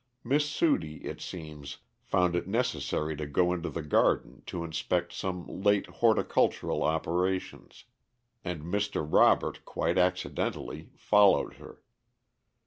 Miss Sudie, it seems, found it necessary to go into the garden to inspect some late horticultural operations, and Mr. Robert, quite accidentally, followed her.